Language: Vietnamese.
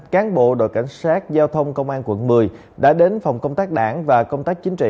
cán bộ đội cảnh sát giao thông công an quận một mươi đã đến phòng công tác đảng và công tác chính trị